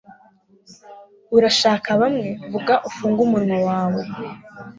Urashaka bamwe vuga Fungura umunwa wawe